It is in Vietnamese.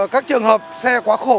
các trường hợp xe quá khổ